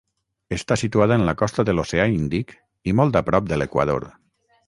Està situada en la costa de l'oceà Índic i molt a prop de l'equador.